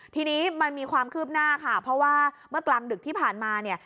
ทีนี้มันมีความคืบหน้าค่ะเพราะว่าเมื่อกลางดึกที่ผ่านมาเนี่ย